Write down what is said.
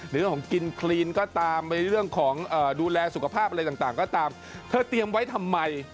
เรื่องของกินคลีนก็ตามในเรื่องของดูแลสุขภาพอะไรต่างก็ตามเธอเตรียมไว้ทำไม